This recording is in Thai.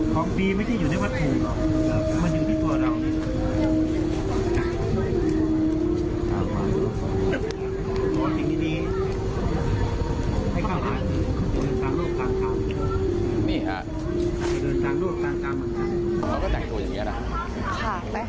ของดีไม่ได้อยู่ในวัตถุมันอยู่ในตัวเรา